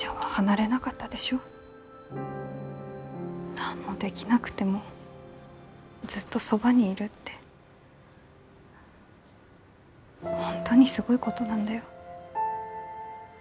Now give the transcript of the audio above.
何もできなくてもずっとそばにいるって本当にすごいことなんだよ。